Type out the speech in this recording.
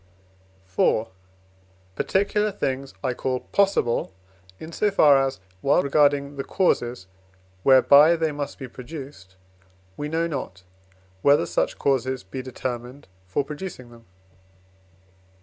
IV. Particular things I call possible in so far as, while regarding the causes whereby they must be produced, we know not, whether such causes be determined for producing them.